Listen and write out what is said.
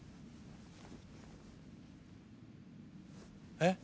えっ？